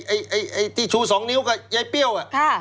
ไอ้ที่ชู๒นิ้วกับยายเปรี้ยว